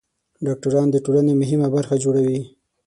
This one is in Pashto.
ډاکټران د ټولنې مهمه برخه جوړوي.